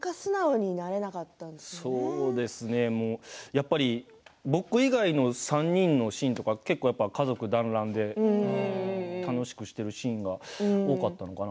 やっぱり僕以外の３人のシーンとか結構、やっぱ家族団らんで楽しくしてるシーンが多かったのかな。